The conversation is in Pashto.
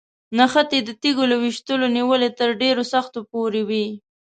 نښتې د تیږو له ویشتلو نیولې تر ډېرو سختو پورې وي.